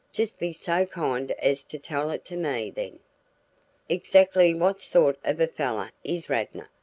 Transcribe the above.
Just be so kind as to tell it to me, then. Exactly what sort of a fellow is Radnor?